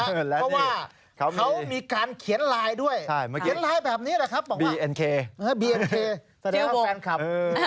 เพราะว่าเขามีการเขียนลายด้วยเขียนลายแบบนี้แหละครับบิเอ็นเคแสดงว่าแฟนคลับ